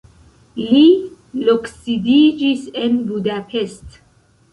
Li loksidiĝis en Budapest.